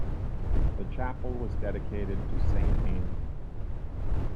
The chapel was dedicated to Saint Anne.